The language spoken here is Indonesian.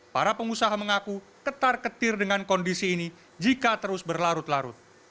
para pengusaha mengaku ketar ketir dengan kondisi ini jika terus berlarut larut